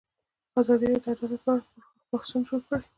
ازادي راډیو د عدالت په اړه پراخ بحثونه جوړ کړي.